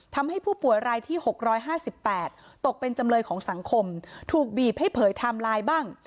ทำให้ผู้ป่วยรายที่๖๕๘ตกเป็นจำเลยของสังคมถูกบีบให้เผยไทม์ไลน์บ้าง